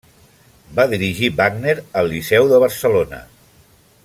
Va dirigir Wagner al Liceu de Barcelona.